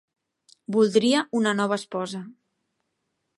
Voldria una nova esposa.